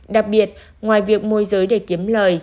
đặc biệt ngoài việc mua giới để kiếm lời